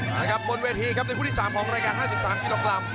ละครับบนเวทีครับในคู่ที่๓ของรายการ๕๓กิโลกรัม